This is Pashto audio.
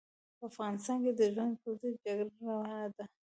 په افغانستان کې د ژوند پر ضد جګړه روانه ده.